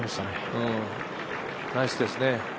ナイスですね。